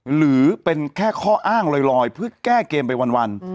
หรือเป็นแค่ข้ออ้างลอยเพื่อแก้เกมไปวัน